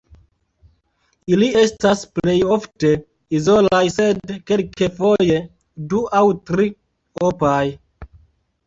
Ili estas plejofte izolaj sed kelkfoje du aŭ tri–opaj.